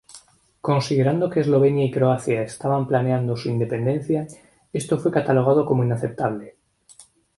Considerando que Eslovenia y Croacia estaban planeando su independencia, esto fue catalogado como inaceptable.